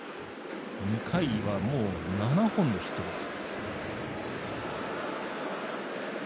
２回はもう７本のヒットです。